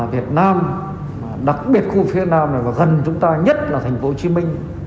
việt nam đặc biệt khu vực phía nam này và gần chúng ta nhất là thành phố hồ chí minh